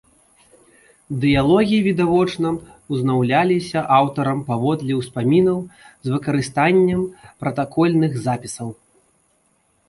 Дыялогі, відавочна, узнаўляліся аўтарам паводле ўспамінаў з выкарыстаннем пратакольных запісаў.